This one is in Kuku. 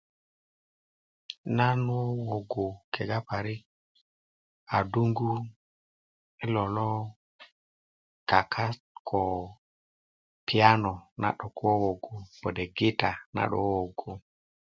na wowogu kega parik aduŋgu i lo lo kakat ko piyano naa 'dok wowogu kode' gita nan 'dok wowogu